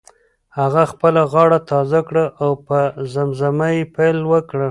هغه خپله غاړه تازه کړه او په زمزمه یې پیل وکړ.